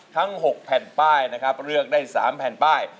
ทั้ง๖แผ่นป้ายนะครับเลือกได้๓แผ่นป้าย